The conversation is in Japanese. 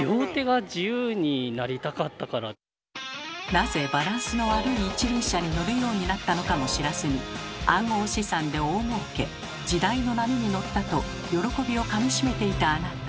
なぜバランスの悪い一輪車に乗るようになったのかも知らずに暗号資産で大もうけ時代の波に乗ったと喜びをかみしめていたあなた。